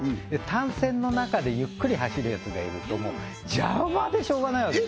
単線の中でゆっくり走るやつがいるともう邪魔でしょうがないわけです